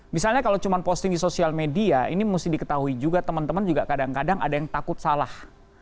misalnya kalau cuma posting di sosial media ini mesti diketahui juga teman teman juga kadang kadang ada yang takut salah